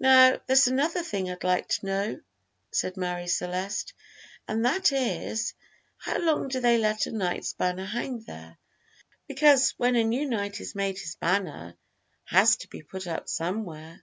"Now, there's another thing I'd like to know," said Marie Celeste, "and that is, how long do they let a knight's banner hang there? because when a new knight is made his banner has to be put up somewhere."